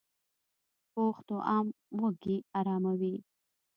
پوخ طعام وږې اراموي